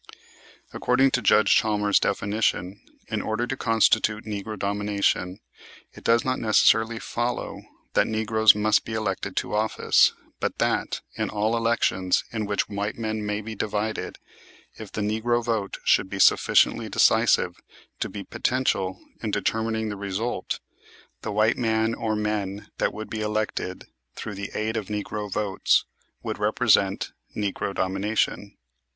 According to Judge Chalmers' definition, in order to constitute "Negro Domination" it does not necessarily follow that negroes must be elected to office, but that in all elections in which white men may be divided, if the negro vote should be sufficiently decisive to be potential in determining the result, the white man or men that would be elected through the aid of negro votes would represent "Negro Domination."